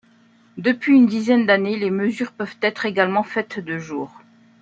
Depuis une dizaine d'années les mesures peuvent être également faites de jour.